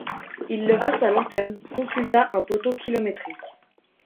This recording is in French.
Il leva sa lanterne, consulta un poteau kilométrique.